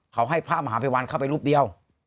เขาให้พระมหาภัยวันเข้าไปรูปเดียว